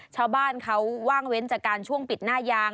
ชาวบ้านเขาว่างเว้นจากการช่วงปิดหน้ายาง